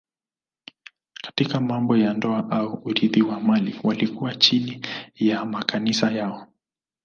Katika mambo ya ndoa au urithi wa mali walikuwa chini ya makanisa yao.